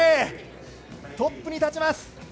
トップに立ちます。